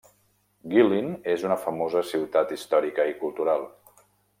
Guilin és una famosa ciutat històrica i cultural.